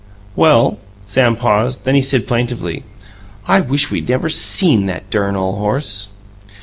"Well " Sam paused; then he said plaintively, "I wish we'd never SEEN that dern ole horse."